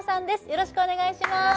よろしくお願いします